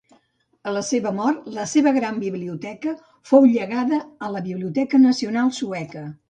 A la seva mort, la seva gran biblioteca fou llegada a la Biblioteca Nacional sueca.